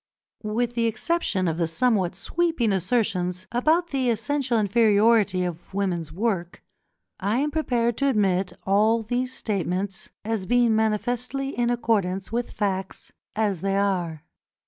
With the exception of the somewhat sweeping assertions about the essential inferiority of women's work, I am prepared to admit all these statements as being manifestly in accordance with facts as they are.